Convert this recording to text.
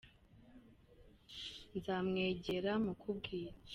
Nzamwegera mukubwirire